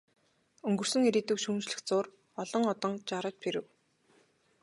Өнгөрсөн ирээдүйг шүүмжлэх зуур олон одон жарав, жирэв.